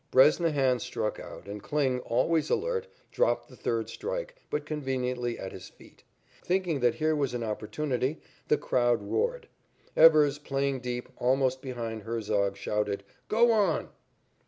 Bresnahan struck out, and Kling, always alert, dropped the third strike, but conveniently at his feet. Thinking that here was an opportunity the crowd roared. Evers, playing deep, almost behind Herzog, shouted, "Go on!"